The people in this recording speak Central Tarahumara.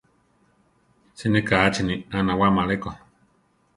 Siné kachini a nawáma aleko.